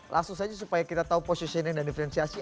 langsung saja supaya kita tahu posisinya dan difrensiasi